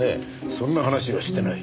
そんな話はしてない。